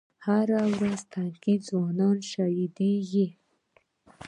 هره ورځ تنکي ځوانان شهیدانېږي